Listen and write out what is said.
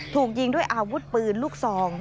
ถูกยิงด้วยอาวุธปืนลูกซอง